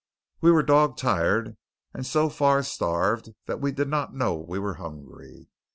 We were dog tired, and so far starved that we did not know we were hungry.